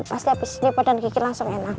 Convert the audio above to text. pas lepas ini badan kiki langsung enakan